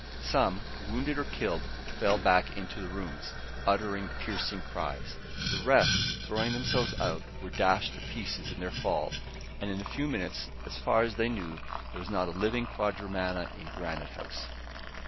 Some, wounded or killed, fell back into the rooms, uttering piercing cries. The rest, throwing themselves out, were dashed to pieces in their fall, and in a few minutes, so far as they knew, there was not a living quadrumana in Granite House.